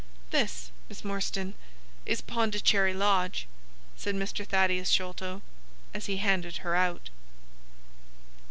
"This, Miss Morstan, is Pondicherry Lodge," said Mr. Thaddeus Sholto, as he handed her out.